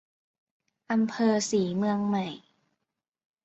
อำเภอศรีเมืองใหม่